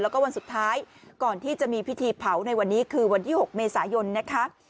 แล้วก็วันสุดท้ายก่อนที่จะมีพิธีเผาในวันนี้คือวันที่๖เมษายนนะคะ